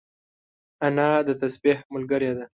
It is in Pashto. انا د تسبيح ملګرې ده